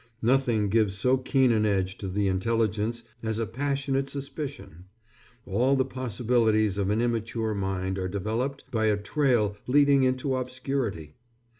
Nothing gives so keen an edge to the intelligence as a passionate suspicion. All the possibilities of an immature mind are developed by a trail leading into obscurity.